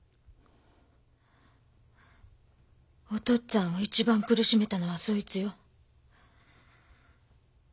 お父っつぁんを一番苦しめたのはそいつよ。